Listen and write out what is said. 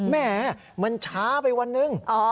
แหมมันช้าไปวันหนึ่ง